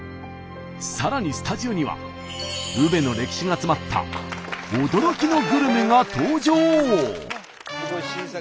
さらにスタジオには宇部の歴史が詰まった驚きのグルメが登場。